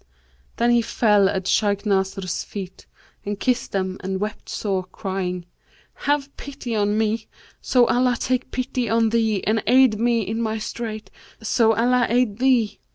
Then he fell at Shaykh Nasr's feet and kissed them and wept sore, crying, 'Have pity on me, so Allah take pity on thee and aid me in my strait so Allah aid thee!'